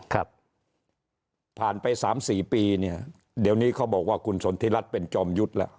ครับผ่านไป๓๔ปีเนี่ยเดี๋ยวนี้เขาบอกว่าคุณสนทิรัฐเป็นจอมยุทธ์แล้ว